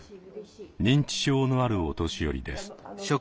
認知症のあるお年寄りです。